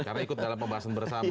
karena ikut dalam pembahasan bersama